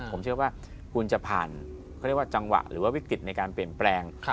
ผมเชื่อว่าคุณจะผ่านจังหวะหรือวิกฤตในการเปลี่ยนแปลง